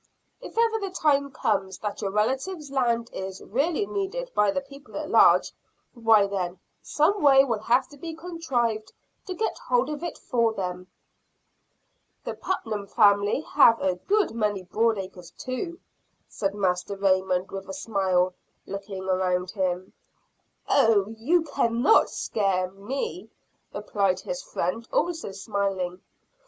If ever the time comes that your relative's land is really needed by the people at large, why then some way will have to be contrived to get hold of it for them." "The Putnam family have a good many broad acres too," said Master Raymond, with a smile, looking around him. "Oh, you cannot scare me," replied his friend, also smiling.